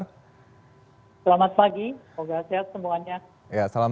selamat pagi semoga sehat semuanya